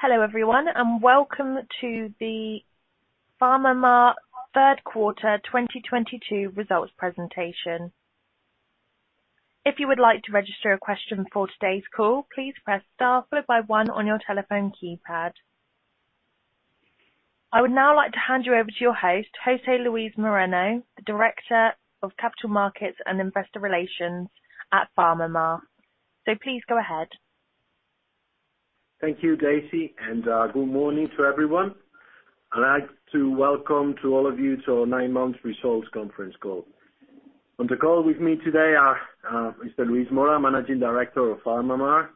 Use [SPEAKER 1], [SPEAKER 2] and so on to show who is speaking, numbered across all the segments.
[SPEAKER 1] Hello everyone, and welcome to the PharmaMar third quarter 2022 results presentation. If you would like to register a question for today's call, please press star followed by one on your telephone keypad. I would now like to hand you over to your host, José Luis Moreno, the Director of Capital Markets and Investor Relations at PharmaMar. Please go ahead.
[SPEAKER 2] Thank you, Daisy, and good morning to everyone. I'd like to welcome to all of you to our nine-month results conference call. On the call with me today are Mr. Luis Mora, Managing Director of PharmaMar,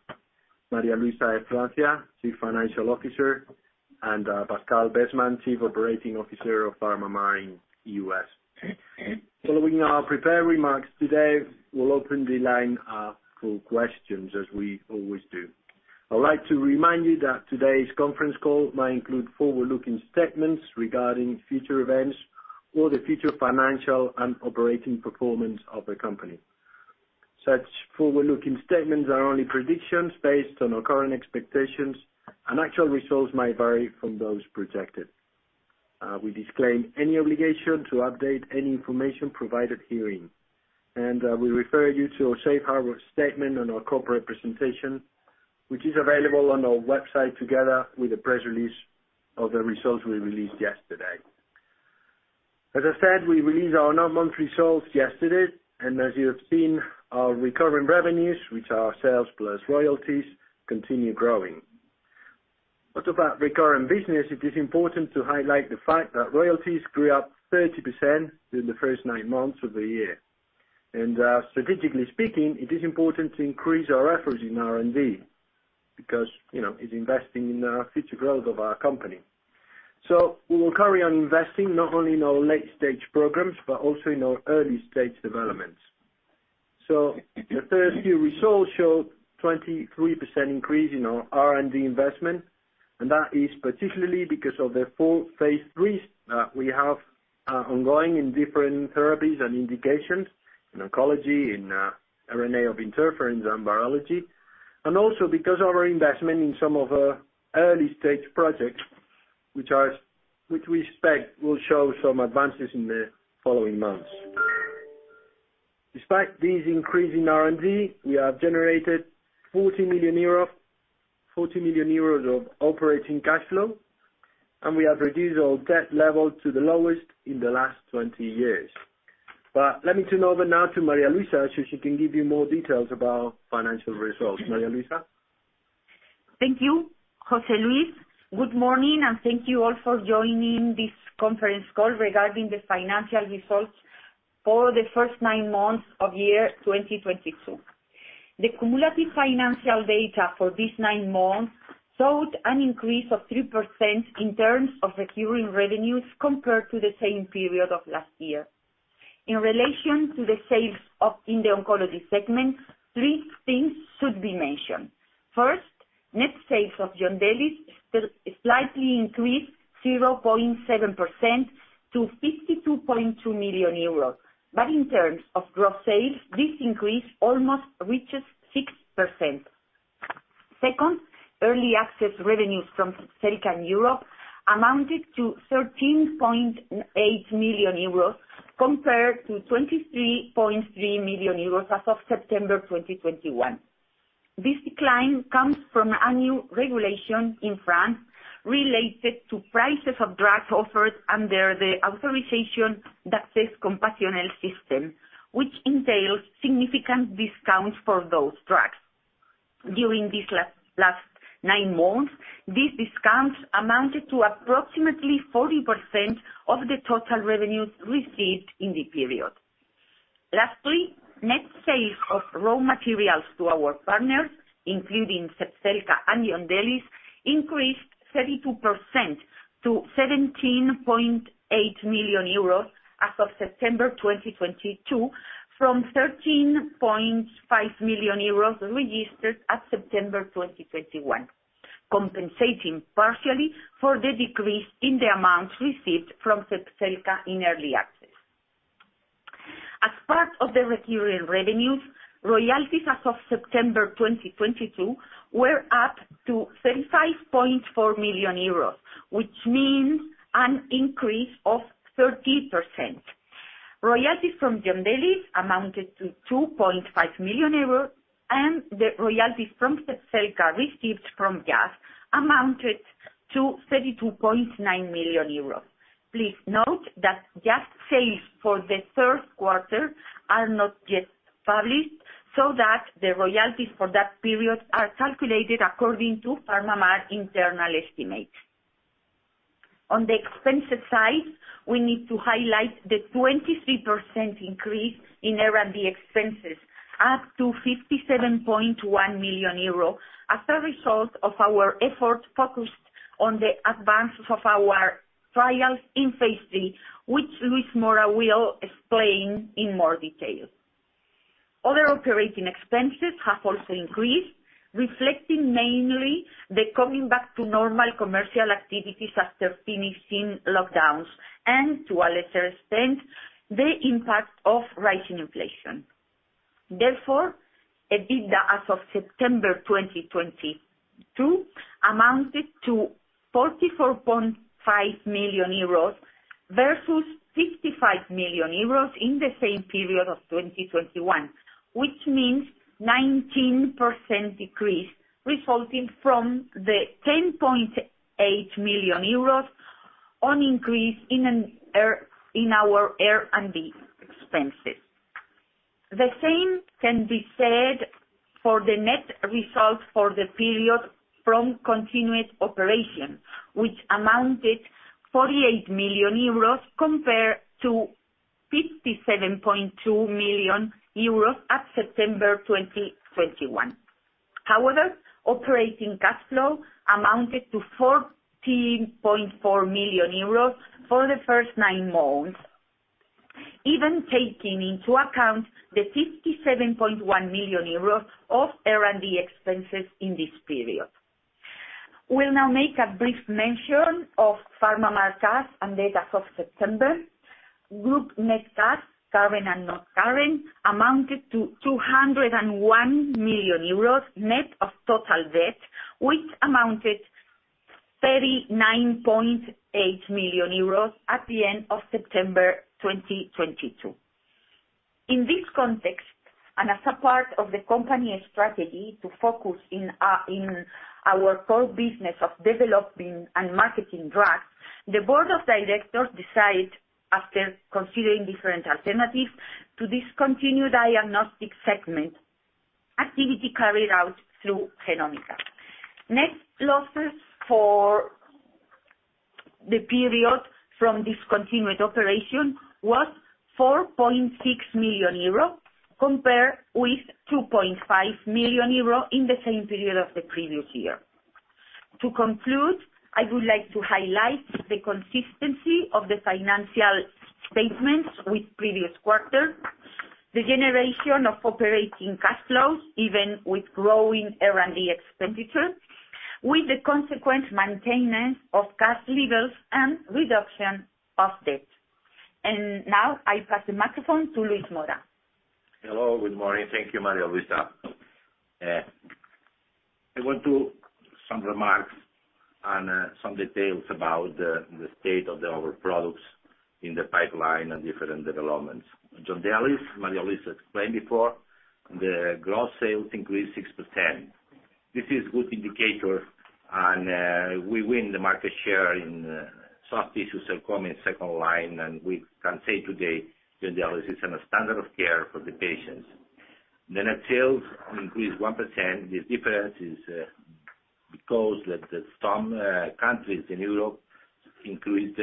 [SPEAKER 2] María Luisa de Francia Caballero, Chief Financial Officer, and Pascal Besman, Chief Operating Officer of PharmaMar in U.S. Following our prepared remarks today, we'll open the line for questions as we always do. I'd like to remind you that today's conference call might include forward-looking statements regarding future events or the future financial and operating performance of the company. Such forward-looking statements are only predictions based on our current expectations, and actual results might vary from those projected. We disclaim any obligation to update any information provided herein. We refer you to our safe harbor statement on our corporate presentation, which is available on our website together with the press release of the results we released yesterday. As I said, we released our nine months results yesterday, and as you have seen, our recurring revenues, which are sales plus royalties, continue growing. Also about recurring business, it is important to highlight the fact that royalties grew up 30% during the first nine months of the year. Strategically speaking, it is important to increase our efforts in R&D because, you know, it's investing in the future growth of our company. We will carry on investing not only in our late-stage programs, but also in our early-stage developments. The first-year results showed a 23% increase in our R&D investment, and that is particularly because of the four Phase IIIs that we have ongoing in different therapies and indications in oncology, RNAi, interferons and virology, and also because of our investment in some of our early-stage projects, which we expect will show some advances in the following months. Despite this increase in R&D, we have generated 40 million euros of operating cash flow, and we have reduced our debt level to the lowest in the last 20 years. Let me turn over now to María Luisa, so she can give you more details about financial results. María Luisa?
[SPEAKER 3] Thank you, José Luis. Good morning, and thank you all for joining this conference call regarding the financial results for the first nine months of 2022. The cumulative financial data for these nine months showed an increase of 3% in terms of recurring revenues compared to the same period of last year. In relation to the sales in the oncology segment, three things should be mentioned. First, net sales of Yondelis still slightly increased 0.7% to 52.2 million euros. In terms of gross sales, this increase almost reaches 6%. Second, early access revenues from Zepzelca in Europe amounted to 13.8 million euros compared to 23.3 million euros as of September 2021. This decline comes from a new regulation in France related to prices of drugs offered under the Autorisation d'Accès Compassionnel system, which entails significant discounts for those drugs. During these last nine months, these discounts amounted to approximately 40% of the total revenues received in the period. Lastly, net sales of raw materials to our partners, including Zepzelca and Yondelis, increased 32% to 17.8 million euros as of September 2022 from 13.5 million euros registered at September 2021, compensating partially for the decrease in the amounts received from Zepzelca in early access. As part of the recurring revenues, royalties as of September 2022 were up to 35.4 million euros, which means an increase of 30%. Royalties from Yondelis amounted to 2.5 million euros, and the royalties from Zepzelca received from Jazz amounted to 32.9 million euros. Please note that Jazz sales for the third quarter are not yet published, so that the royalties for that period are calculated according to PharmaMar internal estimates. On the expenses side, we need to highlight the 23% increase in R&D expenses up to 57.1 million euro as a result of our effort focused on the advances of our trials in phase three, which Luis Mora will explain in more detail. Other operating expenses have also increased, reflecting mainly the coming back to normal commercial activities after finishing lockdowns, and to a lesser extent, the impact of rising inflation. Therefore, EBITDA as of September 2022 amounted to 44.5 million euros versus 65 million euros in the same period of 2021, which means 19% decrease resulting from the 10.8 million euros an increase in our R&D expenses. The same can be said for the net results for the period from continuing operations, which amounted to 48 million euros compared to 57.2 million euros at September 2021. However, operating cash flow amounted to 14.4 million euros for the first nine months, even taking into account the 57.1 million euros of R&D expenses in this period. We'll now make a brief mention of PharmaMar cash and debt as of September. Group net cash, current and noncurrent, amounted to 201 million euros, net of total debt, which amounted to 39.8 million euros at the end of September 2022. In this context, as a part of the company strategy to focus on our core business of developing and marketing drugs, the board of directors decide, after considering different alternatives, to discontinue diagnostic segment activity carried out through GENOMICA . Net losses for the period from discontinued operation was 4.6 million euro, compared with 2.5 million euro in the same period of the previous year. To conclude, I would like to highlight the consistency of the financial statements with previous quarters, the generation of operating cash flows, even with growing R&D expenditure, with the consequent maintenance of cash levels and reduction of debt. Now I pass the microphone to Luis Mora.
[SPEAKER 4] Hello, good morning. Thank you, María Luisa. I want to make some remarks on some details about the state of the other products in the pipeline and different developments. Yondelis, María Luisa explained before, the gross sales increased 6%. This is good indicator and we win the market share in soft tissue sarcoma in second line, and we can say today Yondelis is a standard of care for the patients. The net sales increased 1%. This difference is because some countries in Europe increased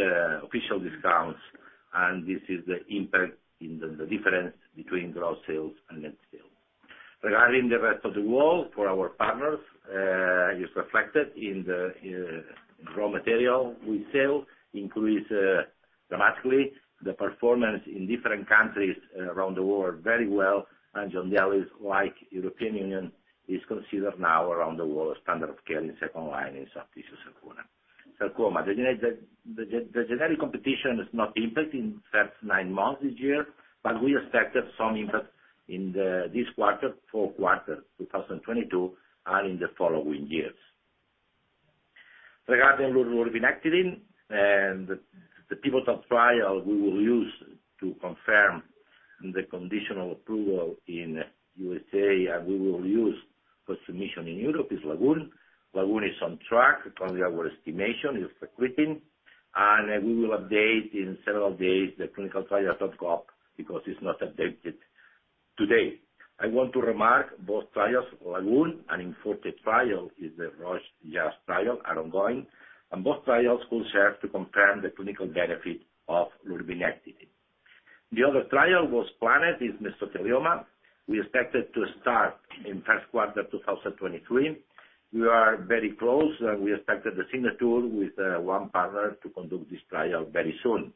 [SPEAKER 4] official discounts, and this is the impact in the difference between gross sales and net sales. Regarding the rest of the world, for our partners, is reflected in the raw material we sell increased dramatically. The performance in different countries around the world very well, and Yondelis, like European Union, is considered now around the world a standard of care in second line in soft tissue Sarcoma. Sarcoma, the genetic competition is not impact in first nine months this year, but we expected some impact in this quarter, fourth quarter 2022, and in the following years. Regarding lurbinectedin and the pivotal trial we will use to confirm the conditional approval in USA, and we will use for submission in Europe is LAGOON. LAGOON is on track, according our estimation, is recruiting. We will update in several days the ClinicalTrials.gov because it's not updated today. I want to remark both trials, LAGOON and IMforte trial, the Roche trial, are ongoing. Both trials will serve to confirm the clinical benefit of Lurbinectedin. The other trial was PLANET, is mesothelioma. We expected to start in first quarter 2023. We are very close, and we expected the signature with one partner to conduct this trial very soon.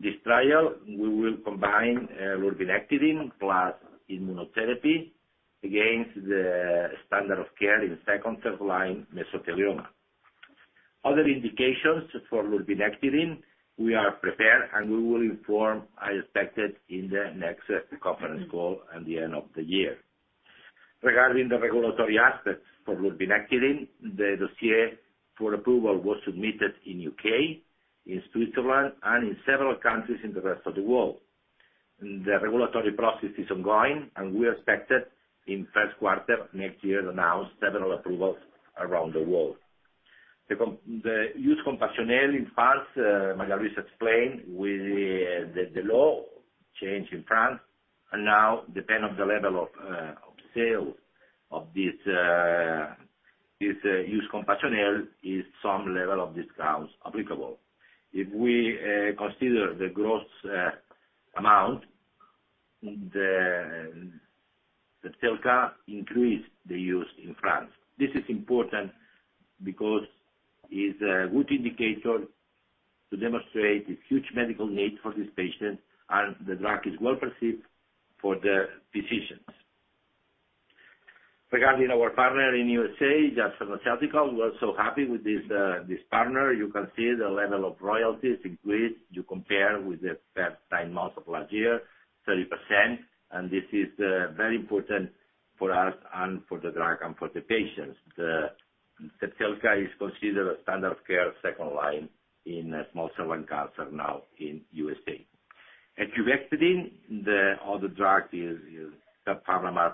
[SPEAKER 4] This trial, we will combine Lurbinectedin plus immunotherapy against the standard of care in second/third line Mesothelioma. Other indications for Lurbinectedin, we are prepared, and we will inform, I expect it, in the next conference call at the end of the year. Regarding the regulatory aspects for Lurbinectedin, the dossier for approval was submitted in U.K., in Switzerland, and in several countries in the rest of the world. The regulatory process is ongoing, and we expected in first quarter next year to announce several approvals around the world. The use compassionnel in France, María Luisa explained, with the law change in France, and now depends on the level of sales of this use compassionnel some level of discounts applicable. If we consider the gross amount, the Zepzelca increased the use in France. This is important because is a good indicator to demonstrate the huge medical need for this patient and the drug is well perceived for the physicians. Regarding our partner in U.S., Jazz Pharmaceuticals, we are so happy with this partner. You can see the level of royalties increased. You compare with the same time last year, 30%, and this is very important for us and for the drug and for the patients. Zepzelca is considered a standard of care second line in small cell lung cancer now in USA. Ecubectedin, the other drug, is the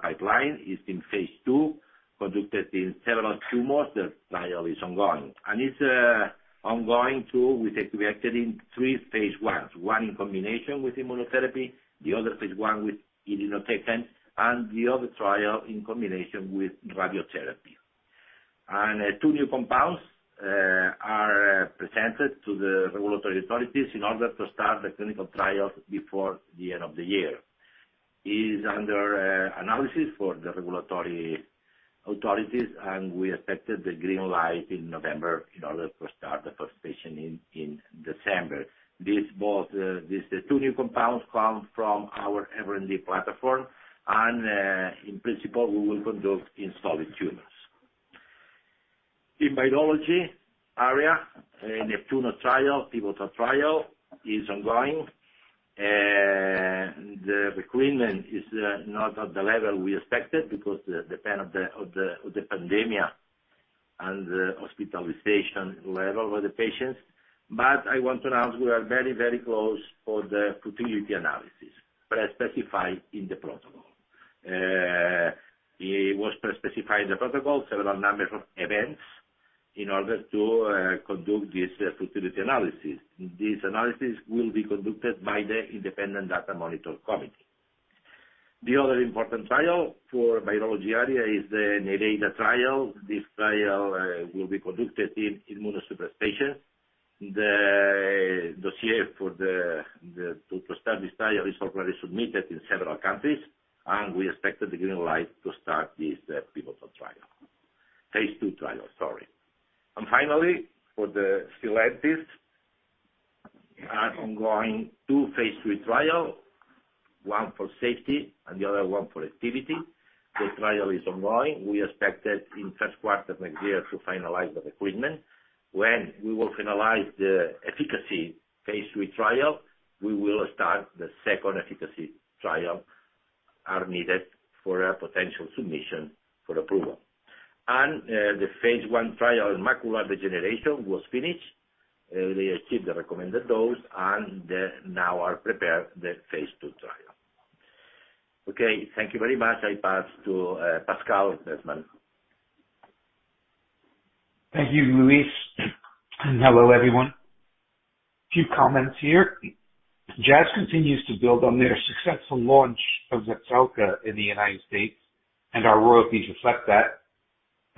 [SPEAKER 4] pipeline, is in phase II, conducted in several tumors. The trial is ongoing. It's ongoing too with ecubectedin three phase Is. One in combination with immunotherapy, the other phase II with irinotecan, and the other trial in combination with radiotherapy. Two new compounds are presented to the regulatory authorities in order to start the clinical trials before the end of the year. It is under analysis for the regulatory authorities, and we expected the green light in November in order to start the first patient in December. These two new compounds come from our R&D platform and, in principle, we will conduct in solid tumors. In biology area, Neptuno trial, pivotal trial is ongoing. The recruitment is not at the level we expected because of the dependence of the pandemic and the hospitalization level of the patients. I want to announce we are very, very close for the futility analysis pre-specified in the protocol. It was pre-specified in the protocol, several number of events in order to conduct this futility analysis. This analysis will be conducted by the independent data monitoring committee. The other important trial for biology area is the Nereida trial. This trial will be conducted in immunosuppressed patients. The dossier to start this trial is already submitted in several countries, and we expect the green light to start this pivotal trial. Phase II trial, sorry. Finally, for the Sylentis ongoing two phase III trials, one for safety and the other one for activity. The trial is ongoing. We expect that in first quarter next year to finalize the recruitment. When we will finalize the efficacy phase III trial, we will start the second efficacy trial that's needed for a potential submission for approval. The phase I trial in macular degeneration was finished. They achieved the recommended dose and they now are preparing the phase II trial. Okay, thank you very much. I pass to Pascal Besman.
[SPEAKER 5] Thank you, Luis. Hello, everyone. Few comments here. Jazz continues to build on their successful launch of Zepzelca in the United States, and our royalties reflect that.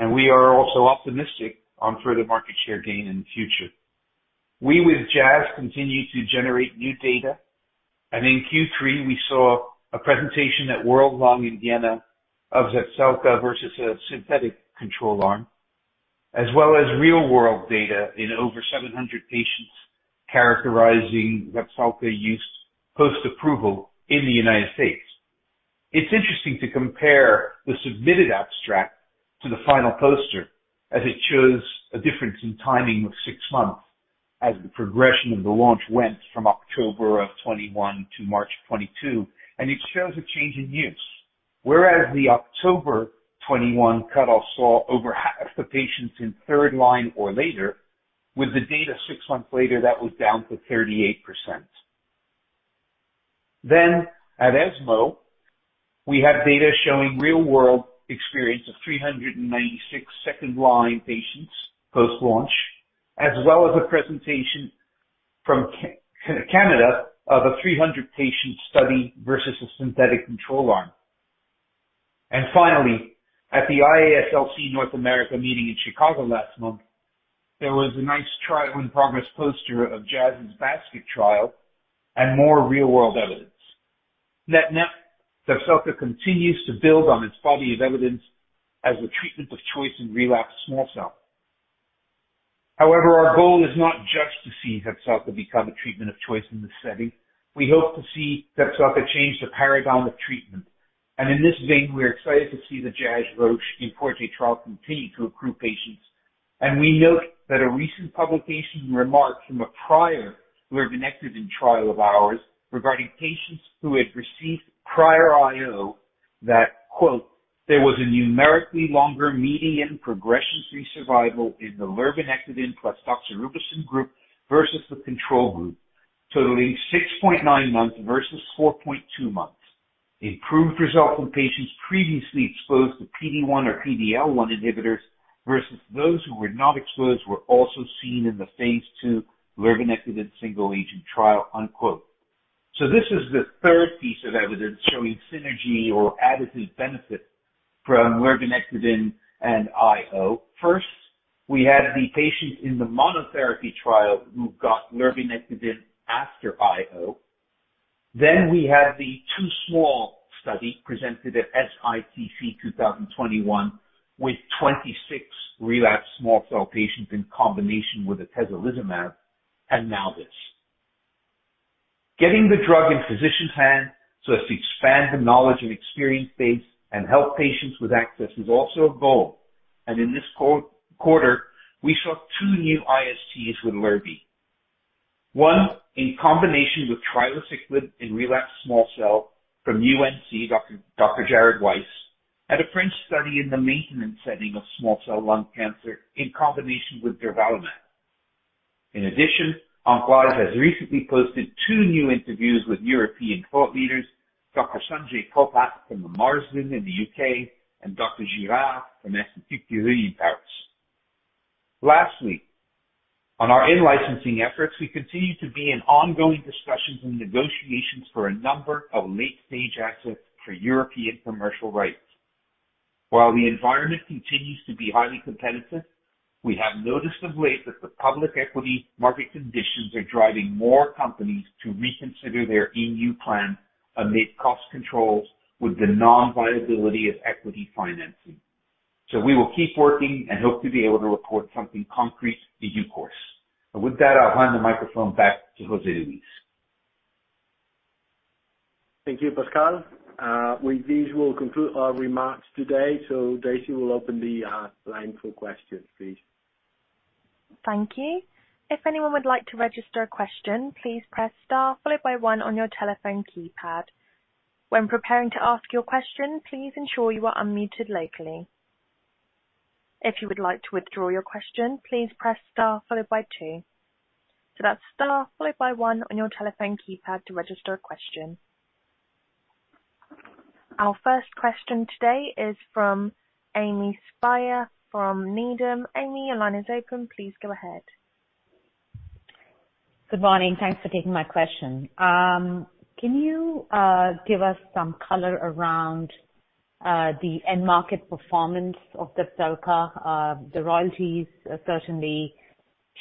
[SPEAKER 5] We are also optimistic on further market share gain in the future. We with Jazz continue to generate new data, and in Q3 we saw a presentation at World Conference on Lung Cancer in Vienna of Zepzelca versus a synthetic control arm, as well as real-world data in over 700 patients characterizing Zepzelca use post-approval in the United States. It's interesting to compare the submitted abstract to the final poster as it shows a difference in timing of six months as the progression of the launch went from October 2021 to March 2022, and it shows a change in use. Whereas the October 2021 cutoff saw over half the patients in third line or later, with the data six months later, that was down to 38%. At ESMO, we have data showing real-world experience of 396 second line patients post-launch, as well as a presentation from Canada of a 300 patient study versus a synthetic control arm. Finally, at the IASLC North America meeting in Chicago last month, there was a nice trial in progress poster of Jazz's basket trial and more real-world evidence. Net net zepzelca continues to build on its body of evidence as a treatment of choice in relapsed small cell. However, our goal is not just to see zepzelca become a treatment of choice in this setting. We hope to see zepzelca change the paradigm of treatment. In this vein, we are excited to see the Roche-Jazz IMforte trial continue to accrue patients. We note that a recent publication remark from a prior lurbinectedin trial of ours regarding patients who had received prior IO that, quote, "There was a numerically longer median progression-free survival in the lurbinectedin plus doxorubicin group versus the control group, totaling 6.9 months versus 4.2 months. Improved results in patients previously exposed to PD-1 or PD-L1 inhibitors versus those who were not exposed were also seen in the phase II lurbinectedin single-agent trial." unquote. This is the third piece of evidence showing synergy or additive benefit from lurbinectedin and IO. First, we had the patients in the monotherapy trial who got lurbinectedin after IO. We have the too small study presented at SITC 2021, with 26 relapsed small cell patients in combination with atezolizumab, and now this. Getting the drug in physician's hand so as to expand the knowledge and experience base and help patients with access is also a goal. In this quarter, we saw two new ISTs with lurbi. One in combination with trilaciclib in relapsed small cell from UNC, Dr. Jared Weiss, and a French study in the maintenance setting of small cell lung cancer in combination with durvalumab. In addition, OncLive has recently posted two new interviews with European thought leaders, Dr. Sanjay Popat from the Royal Marsden in the UK and Dr. Nicolas Girard from Institut Curie in Paris. Lastly, on our in-licensing efforts, we continue to be in ongoing discussions and negotiations for a number of late-stage assets for European commercial rights. While the environment continues to be highly competitive, we have noticed of late that the public equity market conditions are driving more companies to reconsider their EU plan amid cost controls with the non-viability of equity financing. We will keep working and hope to be able to report something concrete in due course. With that, I'll hand the microphone back to José Luis.
[SPEAKER 4] Thank you, Pascal. With this we'll conclude our remarks today. Daisy will open the line for questions, please.
[SPEAKER 1] Thank you. If anyone would like to register a question, please press star followed by one on your telephone keypad. When preparing to ask your question, please ensure you are unmuted locally. If you would like to withdraw your question, please press star followed by two. That's star followed by one on your telephone keypad to register a question. Our first question today is from Ami Fadia from Needham & Company. Ami, your line is open. Please go ahead.
[SPEAKER 6] Good morning. Thanks for taking my question. Can you give us some color around the end market performance of Zepzelca? The royalties certainly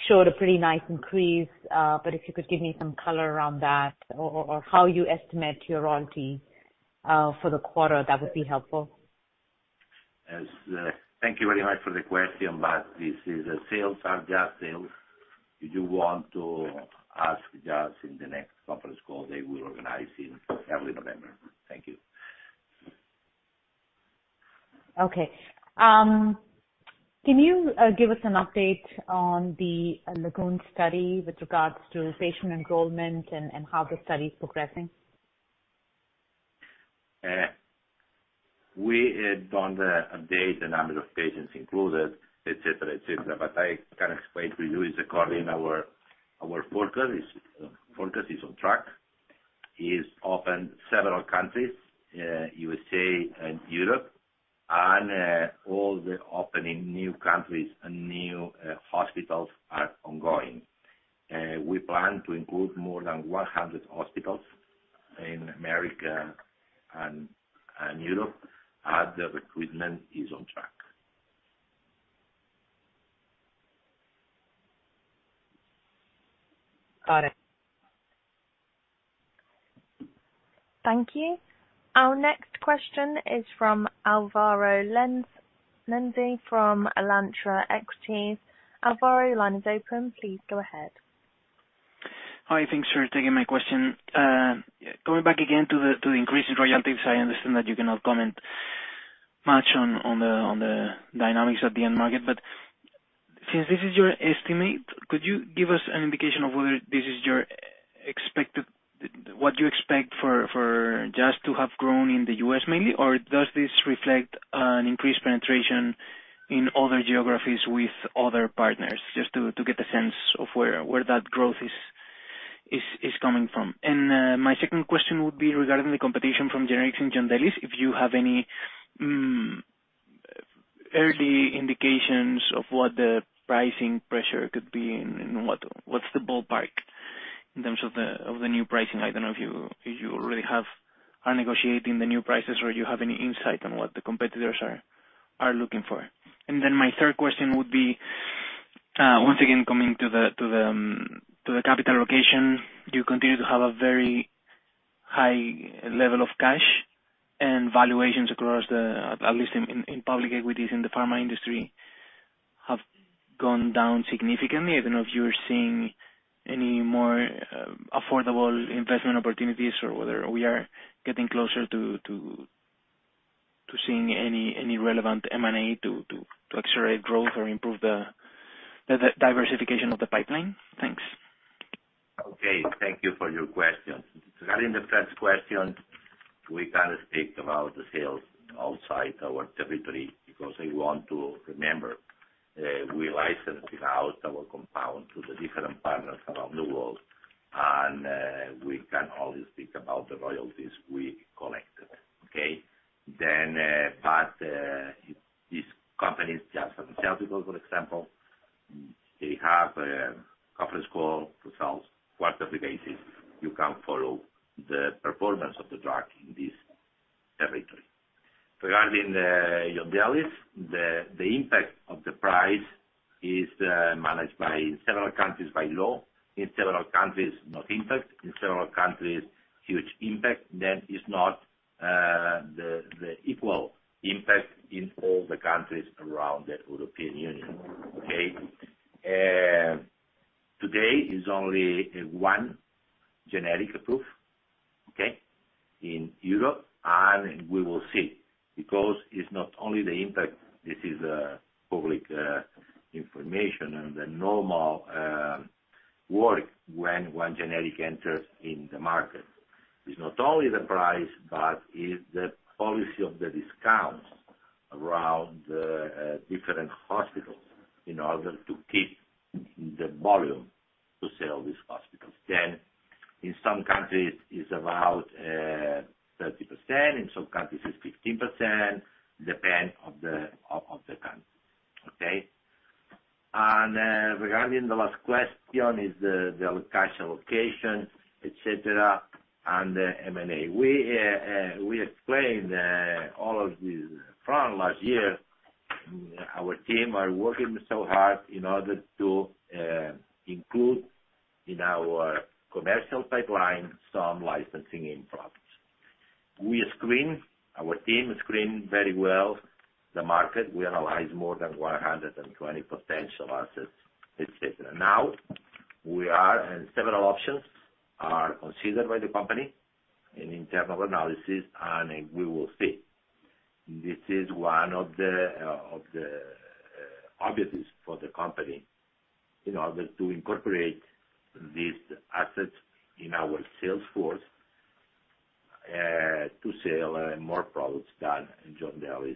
[SPEAKER 6] showed a pretty nice increase, but if you could give me some color around that or how you estimate your royalty for the quarter, that would be helpful.
[SPEAKER 4] Yes. Thank you very much for the question, but this is, sales are just sales. If you want to ask just in the next conference call, they will organize in early November. Thank you.
[SPEAKER 6] Okay. Can you give us an update on the LAGOON study with regards to patient enrollment and how the study is progressing?
[SPEAKER 4] We don't update the number of patients included, et cetera, et cetera. I can explain to you according to our forecast is on track. It is open in several countries, USA and Europe, and all the opening new countries and new hospitals are ongoing. We plan to include more than 100 hospitals in America and Europe, and the recruitment is on track.
[SPEAKER 6] Got it.
[SPEAKER 1] Thank you. Our next question is from Álvaro Lenze, Lenze from Alantra Equities. Álvaro, line is open. Please go ahead.
[SPEAKER 7] Hi. Thanks for taking my question. Going back again to the increase in royalties. I understand that you cannot comment much on the dynamics at the end market. But since this is your estimate, could you give us an indication of whether this is what you expect for just to have grown in the U.S. mainly? Or does this reflect an increased penetration in other geographies with other partners? Just to get a sense of where that growth is coming from. My second question would be regarding the competition from generics and Yondelis. If you have any early indications of what the pricing pressure could be and what's the ballpark in terms of the new pricing? I don't know if you already are negotiating the new prices or you have any insight on what the competitors are looking for. My third question would be, once again, coming to the capital allocation. You continue to have a very high level of cash, and valuations across, at least in public equities in the pharma industry, have gone down significantly. I don't know if you're seeing any more affordable investment opportunities or whether we are getting closer to seeing any relevant M&A to accelerate growth or improve the diversification of the pipeline. Thanks.
[SPEAKER 4] Okay. Thank you for your question. Regarding the first question, we can't speak about the sales outside our territory because we want to remember we're licensing out our compound to the different partners around the world, and we can only speak about the royalties we collected. Okay? These companies, Janssen Pharmaceuticals, for example, have a conference call results quarterly basis. You can follow the performance of the drug in this territory. Regarding the Yondelis, the impact of the price is managed by several countries by law. In several countries, no impact. In several countries, huge impact. It's not the equal impact in all the countries around the European Union. Okay? Today is only one generic approved, okay, in Europe, and we will see, because it's not only the impact, this is public information and the normal work when one generic enters in the market. It's not only the price, but it's the policy of the discounts around the different hospitals in order to keep the volume to sell these hospitals. In some countries it's about 30%, in some countries it's 15%, depend of the country. Okay? Regarding the last question is the cash allocation, et cetera, and the M&A. We explained all of this from last year. Our team are working so hard in order to include in our commercial pipeline some licensing in products. Our team screen very well the market. We analyze more than 120 potential assets, et cetera. Now, several options are considered by the company in internal analysis, and we will see. This is one of the objectives for the company in order to incorporate these assets in our sales force to sell more products than Yondelis.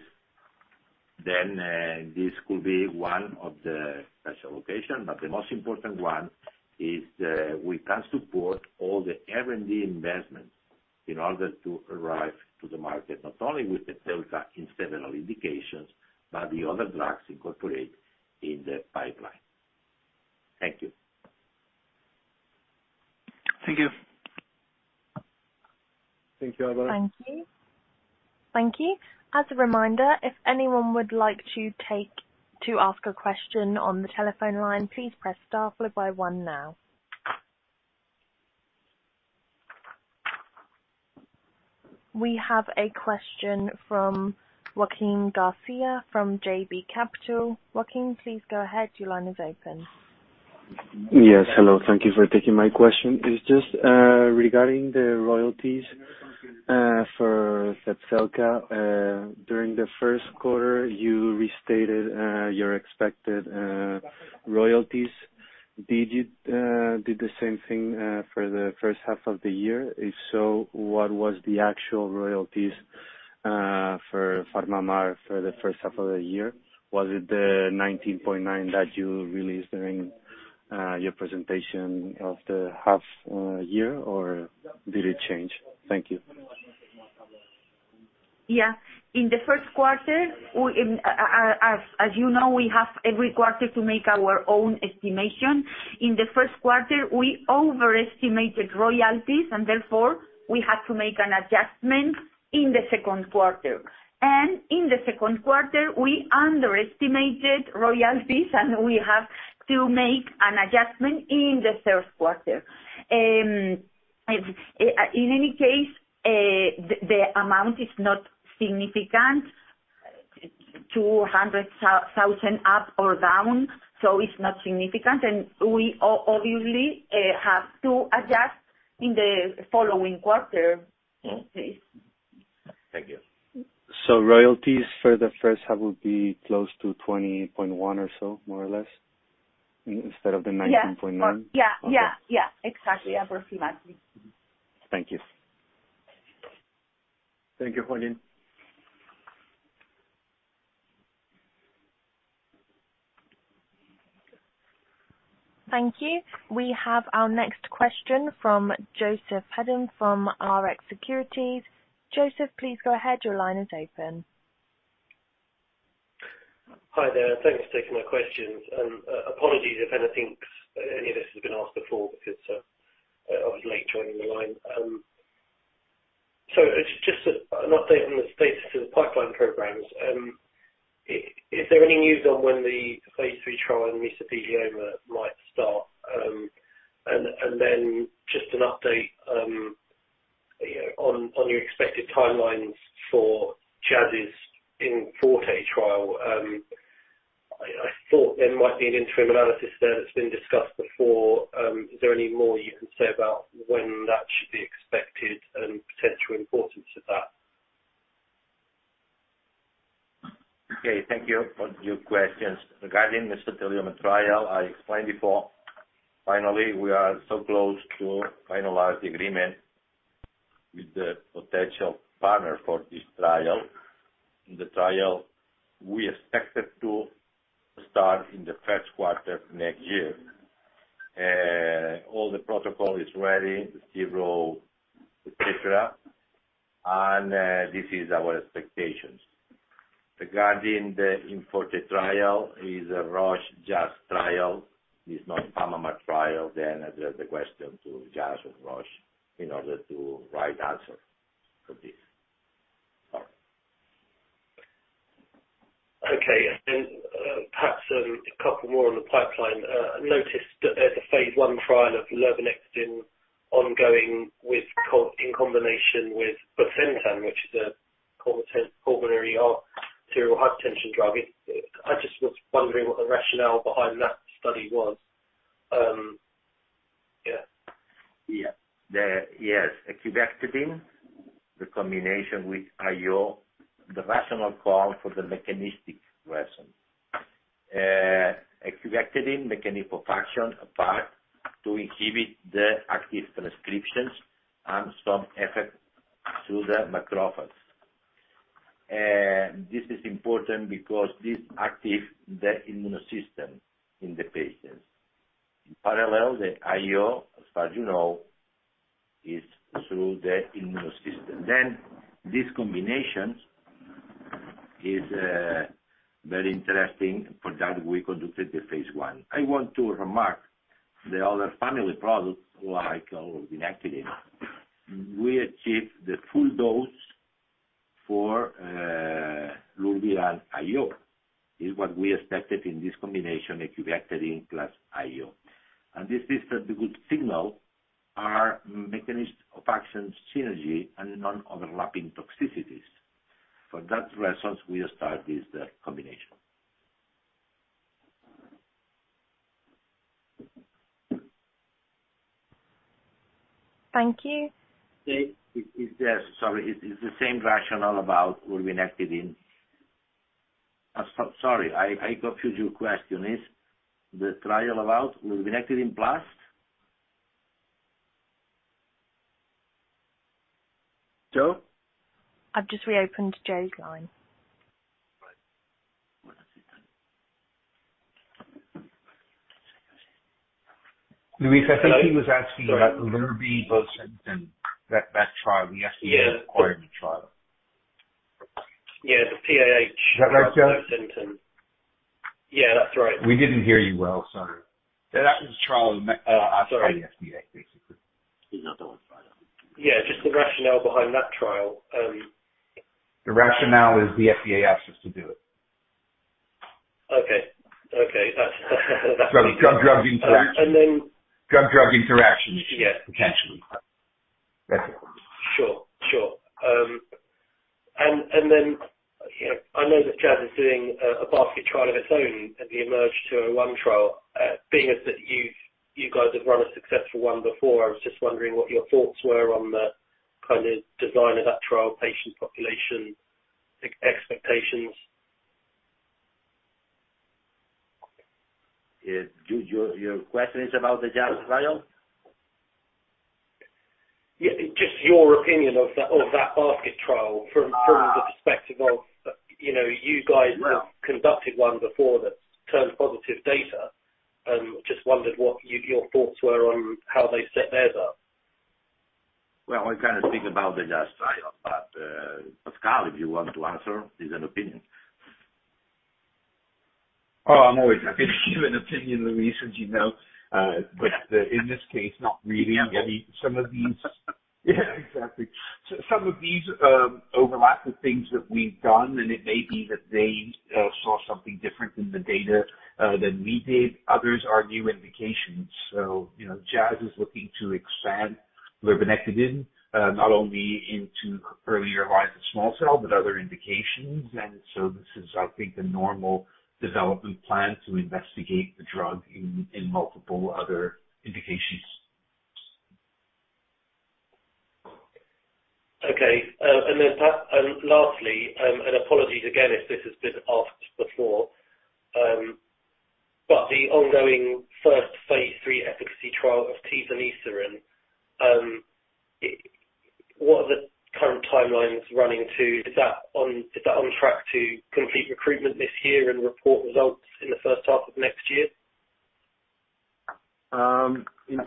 [SPEAKER 4] This could be one of the special allocation, but the most important one is we can support all the R&D investments in order to arrive to the market, not only with the Zepzelca in several indications, but the other drugs incorporate in the pipeline. Thank you.
[SPEAKER 7] Thank you.
[SPEAKER 1] Thank you, Álvaro. Thank you. As a reminder, if anyone would like to ask a question on the telephone line, please press star followed by one now. We have a question from Joaquin Garcia from JB Capital. Joaquin, please go ahead. Your line is open.
[SPEAKER 8] Yes. Hello. Thank you for taking my question. It's just regarding the royalties for zepzelca. During the first quarter you restated your expected royalties. Did you do the same thing for the first half of the year? If so, what was the actual royalties for PharmaMar for the first half of the year? Was it the $19.9 that you released during your presentation of the half year or did it change? Thank you.
[SPEAKER 3] Yeah. In the first quarter, as you know, we have every quarter to make our own estimation. In the first quarter, we overestimated royalties and therefore we had to make an adjustment in the second quarter. In the second quarter, we underestimated royalties and we have to make an adjustment in the third quarter. In any case, the amount is not significant, 200,000 up or down, so it's not significant. We obviously have to adjust in the following quarter.
[SPEAKER 8] Thank you. Royalties for the first half will be close to 20.1 or so, more or less, instead of the 19.9?
[SPEAKER 3] Yeah. Yeah, yeah. Exactly. Approximately.
[SPEAKER 8] Thank you.
[SPEAKER 1] Thank you, Joaquín. Thank you. We have our next question from Joseph Hedden from Rx Securities. Joseph, please go ahead. Your line is open.
[SPEAKER 9] Hi there. Thanks for taking my questions. Apologies if anything, any of this has been asked before because I was late joining the line. It's just an update on the status of the pipeline programs. Is there any news on when the phase III trial in mesothelioma might start? Then just an update, you know, on your expected timelines for Jazz's IMforte trial. I thought there might be an interim analysis there that's been discussed before. Is there any more you can say about when that should be expected and potential importance of that?
[SPEAKER 4] Okay. Thank you for your questions. Regarding the mesothelioma trial, I explained before. Finally, we are so close to finalize the agreement with the potential partner for this trial. The trial we expected to start in the third quarter next year. All the protocol is ready, the CRO, et cetera, and this is our expectations. Regarding the IMforte trial is a Roche-Janssen trial, is not PharmaMar trial. Address the question to Janssen or Roche in order to get the right answer for this.
[SPEAKER 9] Okay. Perhaps a couple more on the pipeline. I noticed that there's a phase I trial of lurbinectedin ongoing in combination with bosentan, which is a pulmonary arterial hypertension drug. I just was wondering what the rationale behind that study was?
[SPEAKER 4] Yes. Ecubectedin, the combination with IO, the rationale for the mechanistic reason. Ecubectedin mechanism of action acts to inhibit the active transcription and some effect to the macrophages. This is important because this activates the immune system in the patients. In parallel, the IO, as you know, is through the immune system. This combination is very interesting. For that, we conducted the phase 1. I want to remark the other family products, what I call the inactive. We achieved the full dose for lurbinectedin and IO. Is what we expected in this combination, Ecubectedin plus IO. This is the good signal, our mechanism of action synergy and non-overlapping toxicities. For that reasons, we start this combination.
[SPEAKER 1] Thank you.
[SPEAKER 4] Okay. Sorry. Is the same rationale about Lurbinectedin? Sorry, I confused your question. Is the trial about lurbinectedin plus? Joe?
[SPEAKER 1] I've just reopened Joe's line.
[SPEAKER 4] Luis, I think he was asking about Lurbinectedin, that trial. The FDA required trial.
[SPEAKER 9] Yeah, the PAH.
[SPEAKER 4] Is that right, Joe?
[SPEAKER 9] Bosentan. Yeah, that's right.
[SPEAKER 4] We didn't hear you well, sorry. Yeah, that was the trial, asking the FDA, basically. He's not the one.
[SPEAKER 9] Yeah, just the rationale behind that trial.
[SPEAKER 4] The rationale is the FDA asked us to do it.
[SPEAKER 9] Okay. That's.
[SPEAKER 4] Drug interactions.
[SPEAKER 9] And then.
[SPEAKER 4] Drug interactions.
[SPEAKER 9] Yes.
[SPEAKER 4] Potentially.
[SPEAKER 9] Sure, sure. You know, I know that Jazz is doing a basket trial of its own in the EMERGE-201 trial. Being as that you've, you guys have run a successful one before, I was just wondering what your thoughts were on the kind of design of that trial, patient population expectations.
[SPEAKER 4] Yeah. Does your question is about the Jazz trial?
[SPEAKER 9] Yeah. Just your opinion of that basket trial from the perspective of, you know, you guys have conducted one before that's turned positive data and just wondered what your thoughts were on how they set theirs up.
[SPEAKER 4] Well, I cannot speak about the Jazz trial, but Pascal, if you want to answer, it's an opinion.
[SPEAKER 5] Oh, I'm always happy to give an opinion, Luis, as you know. In this case, not really. I mean, some of these. Yeah, exactly. Some of these overlap with things that we've done, and it may be that they saw something different in the data than we did. Others are new indications. You know, Jazz is looking to expand lurbinectedin, not only into earlier lines of small cell, but other indications. This is, I think, the normal development plan to investigate the drug in multiple other indications.
[SPEAKER 9] Lastly, and apologies again if this has been asked before, but the ongoing first phase III efficacy trial of tivanisiran. What are the current timelines running to? Is that on track to complete recruitment this year and report results in the first half of next year?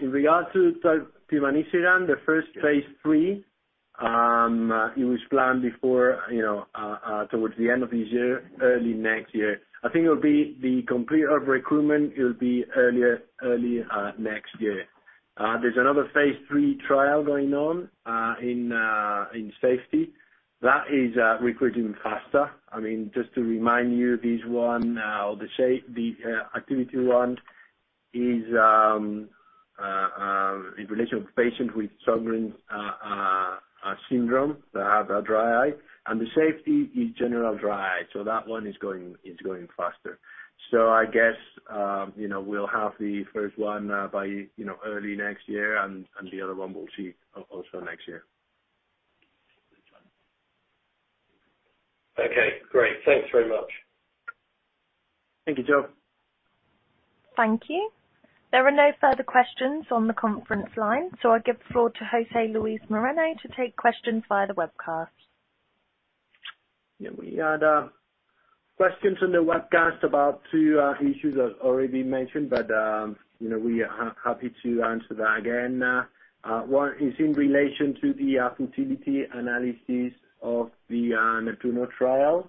[SPEAKER 4] In regards to tivanisiran, the first phase III, it was planned before, you know, towards the end of this year, early next year. I think it'll be the complete of recruitment will be earlier, early next year. There's another phase III trial going on, in safety. That is recruiting faster. I mean, just to remind you, this one, the activity one is in relation with patients with Sjögren's syndrome that have a dry eye, and the safety is general dry eye, so that one is going faster. I guess, you know, we'll have the first one by, you know, early next year and the other one we'll see also next year.
[SPEAKER 9] Okay, great. Thanks very much.
[SPEAKER 4] Thank you, Joe.
[SPEAKER 1] Thank you. There are no further questions on the conference line, so I give the floor to José Luis Moreno to take questions via the webcast.
[SPEAKER 2] Yeah, we had. Questions on the webcast about two issues that already been mentioned, but you know, we are happy to answer that again. One is in relation to the futility analysis of the Neptuno trial.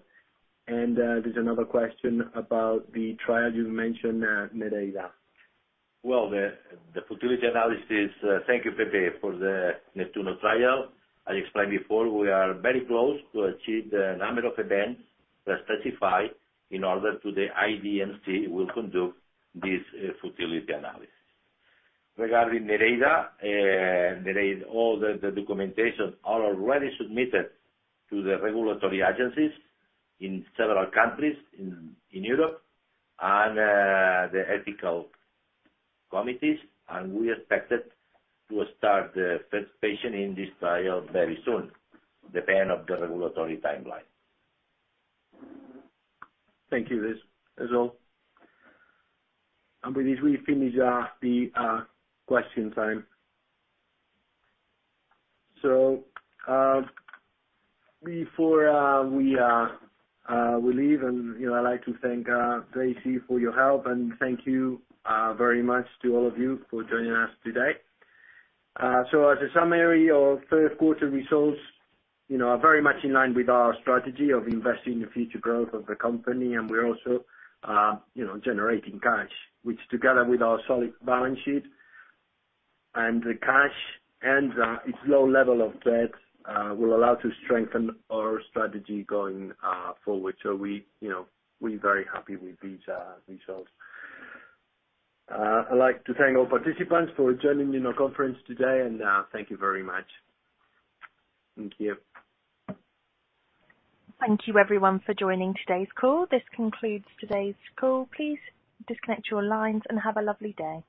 [SPEAKER 2] There's another question about the trial you mentioned, Nereida.
[SPEAKER 4] Well, the futility analysis, thank you, Pepe, for the Neptuno trial. I explained before, we are very close to achieve the number of events that specify in order to the IDMC will conduct this, futility analysis. Regarding Nereida, all the documentation are already submitted to the regulatory agencies in several countries in Europe and the ethical committees. We expected to start the first patient in this trial very soon, depend of the regulatory timeline.
[SPEAKER 2] Thank you, Luis. That's all. With this, we finish the question time. Before we leave and, you know, I'd like to thank Tracy for your help and thank you very much to all of you for joining us today. As a summary of third quarter results, you know, are very much in line with our strategy of investing in the future growth of the company. We're also, you know, generating cash, which together with our solid balance sheet and the cash and its low level of debt will allow to strengthen our strategy going forward. We, you know, we're very happy with these results. I'd like to thank all participants for joining in our conference today and thank you very much.
[SPEAKER 4] Thank you.
[SPEAKER 1] Thank you everyone for joining today's call. This concludes today's call. Please disconnect your lines and have a lovely day.